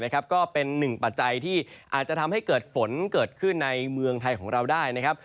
ก็เป็นหนึ่งปัจจัยที่อาจจะทำให้เกิดฝนเกิดขึ้นในเมืองไทยของเราได้นะครับ